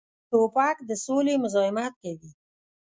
توپک د سولې مزاحمت کوي.